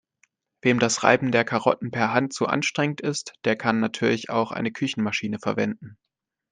Wem das Reiben der Karotten per Hand zu anstrengend ist, der kann natürlich auch eine Küchenmaschine verwenden.